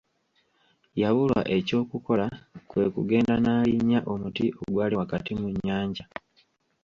Yabulwa oky’okukola kwe kugenda n'alinnya omuti ogwali wakati mu nnyanja.